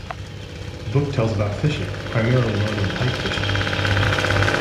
The book tells about fishing (primarily northern pike fishing).